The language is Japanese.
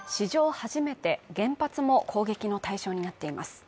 初めて原発も攻撃の対象になっています。